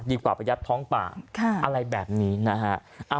ดีกว่าไปยัดท้องป่าอะไรแบบนี้นะฮะ